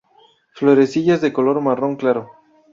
Florecillas de color marrón claro.